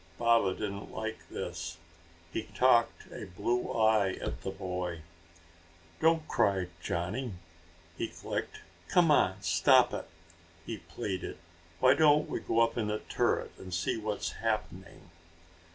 Baba didn't like this. He cocked a blue eye at the boy. "Don't cry, Johnny!" he clicked. "Come on, stop it!" he pleaded. "Why don't we go up in the turret and see what's happening."